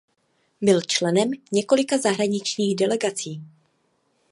Byl členem několika zahraničních delegací.